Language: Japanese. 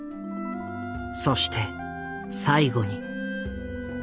そして最後に。